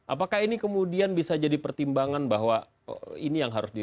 apakah ini kemudian bisa jadi pertimbangan bahwa ini yang harus di